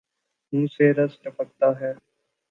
منہ سے رس ٹپکتا ہے